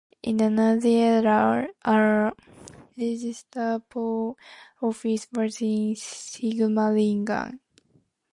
In the Nazi era a Gestapo office was in Sigmaringen.